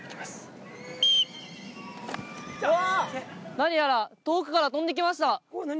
何やら遠くから飛んできました。